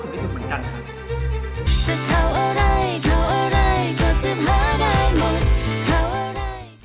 จะเท่าอะไรเท่าอะไรก็๑๕ได้หมดเท่าอะไร